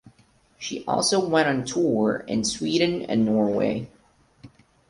She also went on tour in Sweden and Norway.